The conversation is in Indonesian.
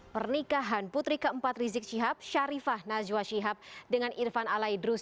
pernikahan putri keempat rizik syihab sharifah najwa shihab dengan irfan alaidrus